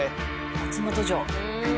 松本城。